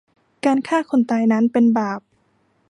การฆ่าคนตายนั้น เป็นบาป